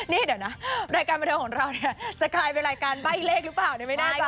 นี่เดี๋ยวนะรายการบันเทิงของเราเนี่ยจะกลายเป็นรายการใบ้เลขหรือเปล่าเนี่ยไม่แน่ใจ